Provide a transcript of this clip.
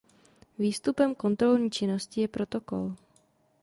Výstupem kontrolní činnosti je protokol.